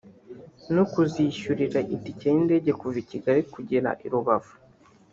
no kuzishyishyurira itike y’indege kuva Kigali kugera i Rubavu